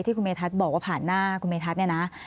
คุณเมธัศนบอกว่าผ่านหน้าคุณเมธัศนเนี่ยนะ